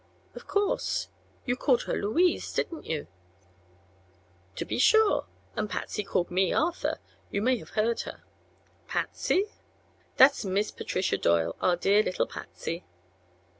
"Of course. You called her 'Louise,' didn't you?" "To be sure. And Patsy called me 'Arthur. You may have heard her." "Patsy?" "That's Miss Patricia Doyle our dear little Patsy."